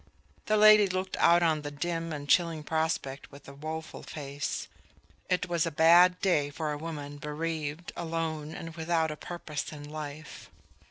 The lady looked out on the dim and chilling prospect with a woeful face. It was a bad day for a woman bereaved, alone and without a purpose in life.